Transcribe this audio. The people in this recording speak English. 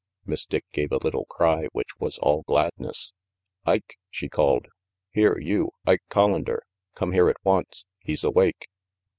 Miss Dick gave a little cry which was all gladness. "Ike," she called. "Here you, Ike Collander. Come here at once. He's awake."